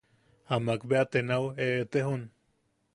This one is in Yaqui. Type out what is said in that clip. Amak bea te nau eʼetejon.